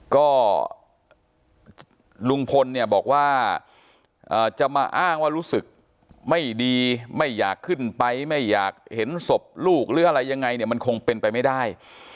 ก็ลุงพลเนี่ยบอกว่าจะมาอ้างว่ารู้สึกไม่ดีไม่อยากขึ้นไปไม่อยากเห็นศพลูกหรืออะไรยังไงเนี่ยมันคงเป็นไปไม่ได้